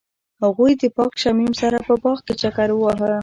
هغوی د پاک شمیم سره په باغ کې چکر وواهه.